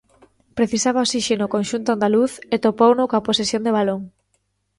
Precisaba osíxeno o conxunto andaluz e topouno coa posesión de balón.